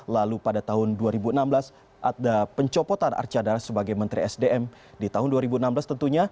lalu pada tahun dua ribu enam belas ada pencopotan arca dara sebagai menteri sdm di tahun dua ribu enam belas tentunya